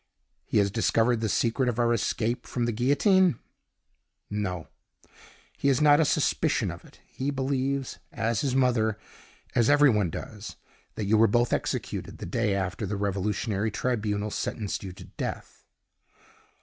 "He has discovered the secret of our escape from the guillotine?" "No he has not a suspicion of it. He believes as his mother, as every one does that you were both executed the day after the Revolutionary Tribunal sentenced you to death."